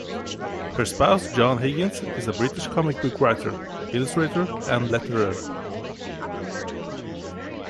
Her spouse John Higgins is a British comic book writer, illustrator, and letterer.